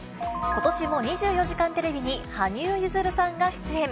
ことしも２４時間テレビに羽生結弦さんが出演。